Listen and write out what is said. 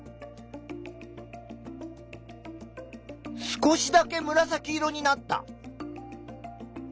少しだけむらさき色になった。